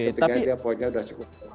ketinggalan dia poinnya udah cukup